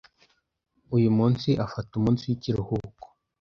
Uyu munsi, afata umunsi w'ikiruhuko.